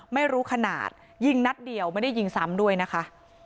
ไม่รู้ขนาดยิงนัดเดียวไม่ได้ยิงซ้ำด้วยนะคะ